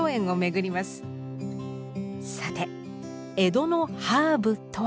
さて江戸のハーブとは。